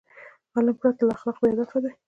علم پرته له اخلاقو بېهدفه دی.